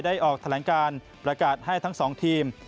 ออกแถลงการประกาศให้ทั้งสองทีม